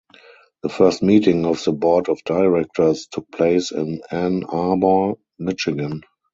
The first meeting of the Board of Directors took place in Ann Arbor, Michigan.